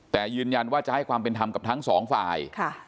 แต่ยืนยันว่าจะให้ความเป็นธรรมกับทั้งสองฝ่าย